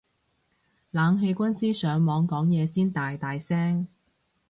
冷氣軍師上網講嘢先大大聲